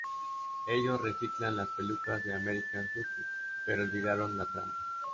Ellos reciclan las pelucas de American Hustle pero olvidaron la trama.